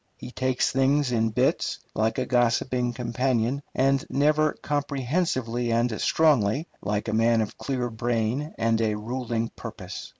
He takes things in bits, like a gossiping companion, and never comprehensively and strongly, like a man of clear brain and a ruling purpose.